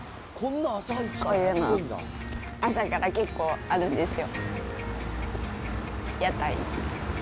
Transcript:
こういうの、朝から結構あるんですよ。